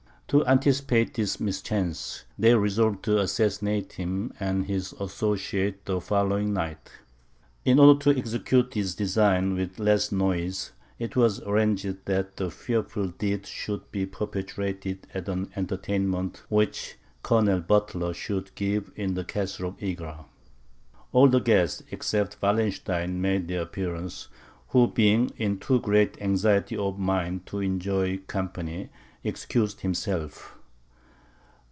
To anticipate this mischance, they resolved to assassinate him and his associates the following night. In order to execute this design with less noise, it was arranged that the fearful deed should be perpetrated at an entertainment which Colonel Buttler should give in the Castle of Egra. All the guests, except Wallenstein, made their appearance, who being in too great anxiety of mind to enjoy company excused himself.